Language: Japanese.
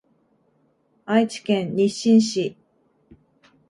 愛知県日進市